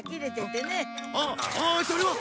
あっああそれは！